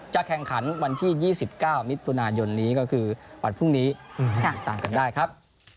แข่งขันวันที่๒๙มิถุนายนนี้ก็คือวันพรุ่งนี้ให้ติดตามกันได้ครับ